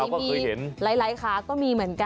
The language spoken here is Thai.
ไก่มีหลายขาก็มีเหมือนกัน